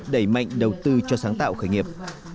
đẩy mạnh đầu tư cho sáng tạo khởi nghiệp